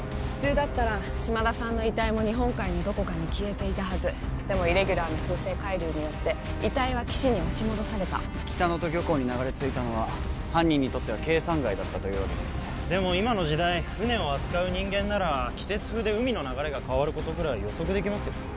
普通だったら島田さんの遺体も日本海のどこかに消えていたはずでもイレギュラーな風成海流によって遺体は岸に押し戻された北能登漁港に流れ着いたのは犯人にとっては計算外だったというわけですねでも今の時代船を扱う人間なら季節風で海の流れが変わることくらい予測できますよ